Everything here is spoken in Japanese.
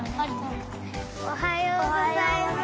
おはようございます。